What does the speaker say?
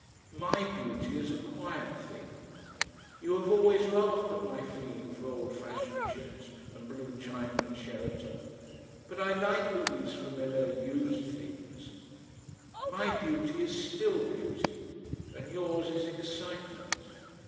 MY beauty is a quiet thing. You have always laughed at my feeling for old fashioned chintz and blue china and Sheraton. But I like all these familiar USED things. My beauty is STILL beauty, and yours, is excitement.